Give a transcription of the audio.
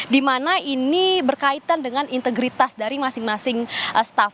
di mana ini berkaitan dengan integritas dari masing masing staff